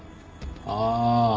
ああ。